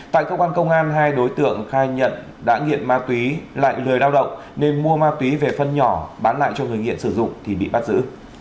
tại cơ quan công an hai đối tượng khai nhận đã nghiện ma túy lại lười lao động nên mua ma túy về phân nhỏ bán lại cho người nghiện sử dụng thì bị bắt giữ